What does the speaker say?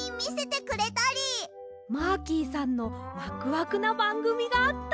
マーキーさんのワクワクなばんぐみがあったり！